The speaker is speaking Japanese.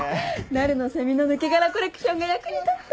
なるのセミの抜け殻コレクションが役に立った。